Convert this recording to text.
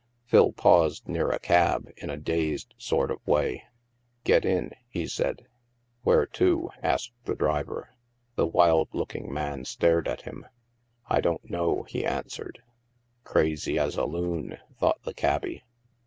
Phil paused near a cab, in a dazed sort of way. " Get in," he said. " Where to? " asked the driver. The wild looking man stared at him. " I don't know," he answered. (" Crazy as a loon," thought the cabby.)